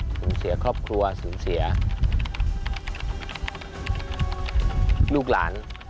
สูญเสียครอบครัวสูญเสียลูกหลาน